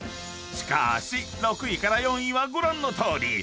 ［しかし６位４位はご覧のとおり］